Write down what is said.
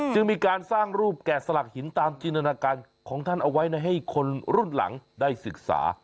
จึงมีการสร้างรูปแก่สลักหินตามจินตนาการของท่านเอาไว้ให้คนรุ่นหลังได้ศึกษา